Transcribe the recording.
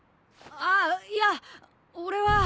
あっいや俺は。